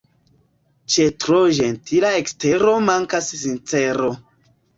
Ĉe tro ĝentila ekstero mankas sincero.